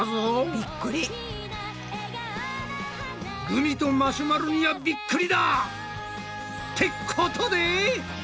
グミとマシュマロにはびっくりだ！ってことで！